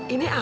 ini aku mas